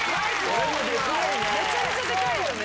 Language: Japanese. めちゃめちゃデカいよね。